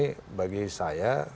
saya juga memang tidak percaya